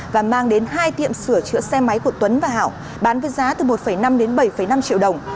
và mang đến hai tiệm sửa chữa xe máy của tuấn và hảo bán với giá từ một năm đến bảy năm triệu đồng